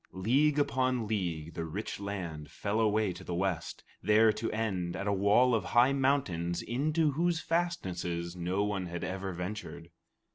League upon league, the rich land fell away to the west, there to end at a wall of high mountains into whose fastnesses no one had ever ventured.